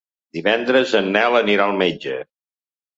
Divendres en Nel anirà al metge.